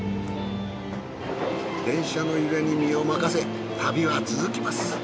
電車の揺れに身を任せ旅は続きます。